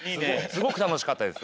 すごくたのしかったです。